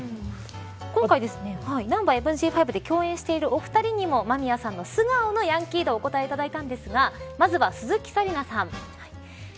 今回、ナンバＭＧ５で共演しているお二人にも間宮さんの素顔のヤンキー度をお答えいただいたんですがまずは鈴木紗理奈さん。